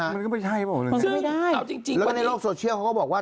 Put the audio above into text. มันก็ไม่ใช่เหรอไม่ได้แล้วก็ในโลกโซเชียลเขาก็บอกว่า